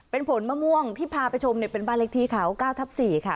เป็นผลมะม่วงที่พาไปชมเนี่ยเป็นบ้านเล็กที่เขา๙ทับ๔ค่ะ